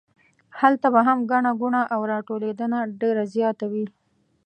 هلته به هم ګڼه ګوڼه او راټولېدنه ډېره زیاته وي.